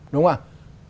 đúng không ạ